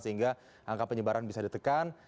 sehingga angka penyebaran bisa ditekan